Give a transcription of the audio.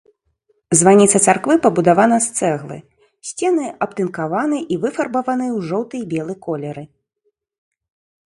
Званіца царквы пабудавана з цэглы, сцены абтынкаваны і выфарбаваны ў жоўты і белы колеры.